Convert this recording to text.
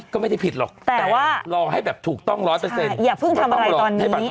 ก็ไม่ได้ผิดหรอกแต่ว่ารอให้แบบถูกต้อง๑๐๐อย่าเพิ่งทำอะไรตอนนี้